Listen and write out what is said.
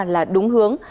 là đúng hướng